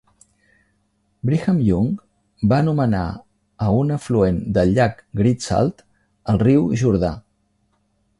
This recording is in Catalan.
Brigham Young va nomenar a un afluent del llac Great Salt el "Riu Jordà".